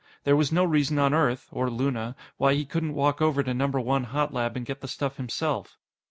There was no reason on earth or Luna why he couldn't walk over to Number One hot lab and get the stuff himself.